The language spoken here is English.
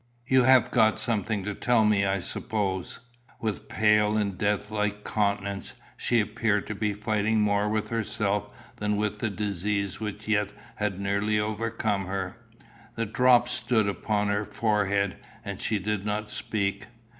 You have got something to tell me, I suppose." With pale and death like countenance, she appeared to be fighting more with herself than with the disease which yet had nearly overcome her. The drops stood upon her forehead, and she did not speak.